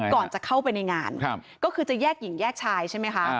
ก่อนจะเข้าไปในงานก็คือจะแยกหญิงแยกชายใช่ไหมคะ